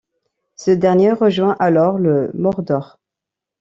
Ce dernier rejoint alors le Mordor.